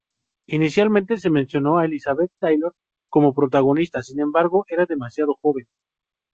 Inicialmente se mencionó a Elizabeth Taylor como protagonista; sin embargo, era demasiado joven.